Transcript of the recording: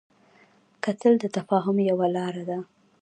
کتل د تفاهم یوه لاره ده